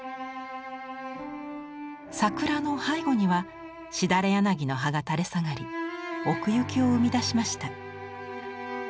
桜の背後にはしだれ柳の葉が垂れ下がり奥行きを生み出しました。